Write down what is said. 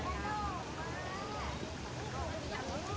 สวัสดีสวัสดี